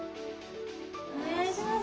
お願いします。